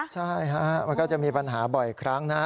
ใช่ฮะมันก็จะมีปัญหาบ่อยครั้งนะ